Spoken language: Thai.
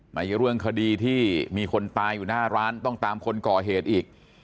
ในเรื่องคดีที่มีคนตายอยู่หน้าร้านต้องตามคนก่อเหตุอีก